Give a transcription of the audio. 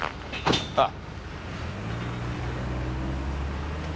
ああ。